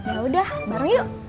yaudah bareng yuk